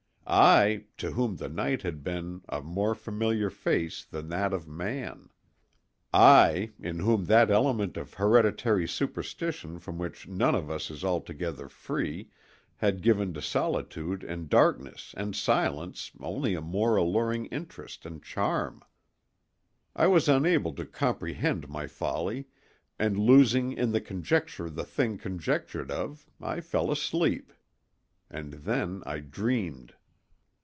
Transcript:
—I, to whom the night had been a more familiar face Than that of man— I, in whom that element of hereditary superstition from which none of us is altogether free had given to solitude and darkness and silence only a more alluring interest and charm! I was unable to comprehend my folly, and losing in the conjecture the thing conjectured of, I fell asleep. And then I dreamed.